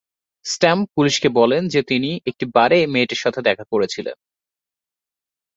Stamp পুলিশকে বলেন যে তিনি একটি বারে মেয়েটির সাথে দেখা করেছিলেন।